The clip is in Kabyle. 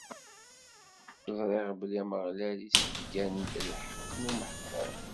Ẓriɣ belli Ameɣlal issebgan-d lḥeqq n umeḥqur.